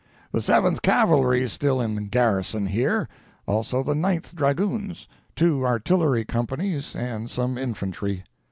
The Seventh Cavalry still in garrison, here; also the Ninth Dragoons, two artillery companies, and some infantry.